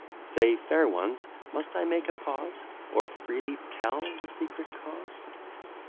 Say, fair ones, must I make a pause, Or freely tell the secret cause?